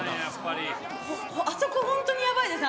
あそこ、本当にやばいですね。